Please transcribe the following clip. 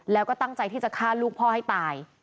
แล้วก็ตั้งใจที่จะฆ่าลูกพ่อให้ตาย